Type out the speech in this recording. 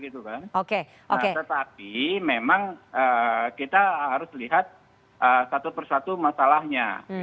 tetapi memang kita harus lihat satu persatu masalahnya